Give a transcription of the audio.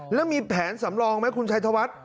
แล้วมีแผนสำรองไหมคุณชัยธวัฒน์